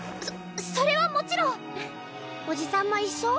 そそれはもちろんおじさんも一緒？